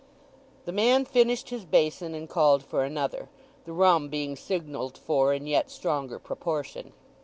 The man finished his basin, and called for another, the rum being signalled for in yet stronger proportion.